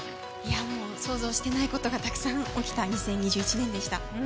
もう想像してないことがたくさん起きた２０２１年でした。